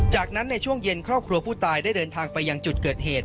จากนั้นในช่วงเย็นครอบครัวผู้ตายได้เดินทางไปยังจุดเกิดเหตุ